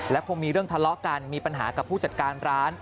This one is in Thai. คงมีเรื่องทะเลาะกันมีปัญหากับผู้จัดการร้าน